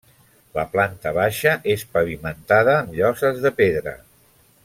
La planta baixa és pavimentada amb lloses de pedra.